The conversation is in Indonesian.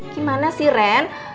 gimana sih ren